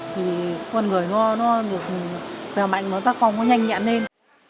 thì con người nó được làm bệnh nó ta không có nhanh nhẹn lên